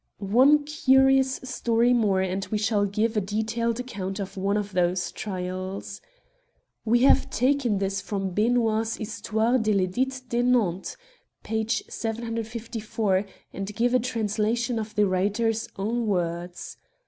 One curious story more, and we shall give a detailed account of one of these trials. We have taken this from Benoit's Histoire de PEdit de Nantes (tom. v. p. 754), and give a trans lation of the writer's own words.